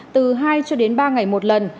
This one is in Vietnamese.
từ hai cho đến ba ngày một lần